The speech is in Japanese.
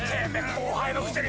後輩のくせに！